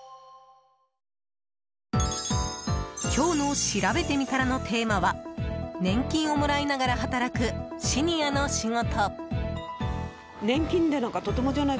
今日のしらべてみたらのテーマは年金をもらいながら働くシニアの仕事。